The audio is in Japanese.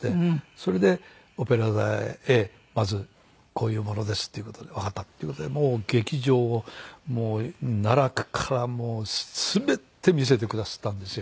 それでオペラ座へまずこういう者ですっていう事でわかったっていう事でもう劇場をもう奈落から全て見せてくだすったんですよ。